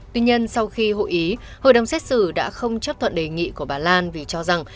tuy nhiên sau khi hội ý hội đồng xét xử đã không chấp thuận đề nghị của bà lan vì cho rằng